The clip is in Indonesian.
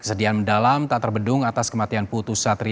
kesedihan mendalam tak terbedung atas kematian putus satria